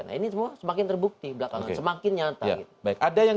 nah ini semua semakin terbukti semakin nyata